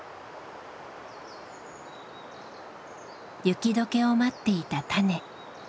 雪どけを待っていた種。